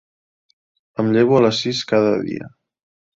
Em llevo a les sis cada dia.